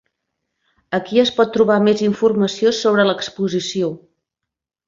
Aquí es pot trobar més informació sobre l'exposició.